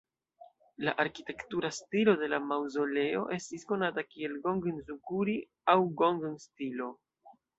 La arkitektura stilo de la maŭzoleo estis konata kiel "gongen-zukuri" aŭ "gongen"-stilo.